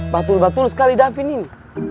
batul batul sekali davin ini